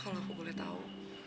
aku nggak boleh tahu